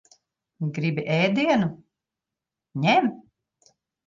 Gribi ēdienu? Ņem.